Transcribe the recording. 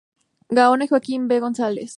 Gaona y Joaquín V. González.